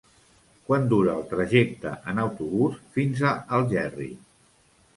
Quant dura el trajecte en autobús fins a Algerri?